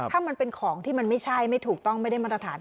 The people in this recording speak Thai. ถ้ามันเป็นของที่มันไม่ใช่ไม่ถูกต้องไม่ได้มาตรฐาน